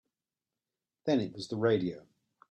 Then it was the radio.